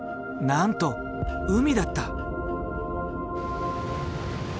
なんと海だった。